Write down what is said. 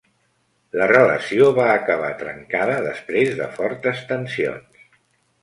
La relació va acabar trencada després de fortes tensions.